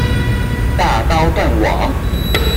大刀斷網！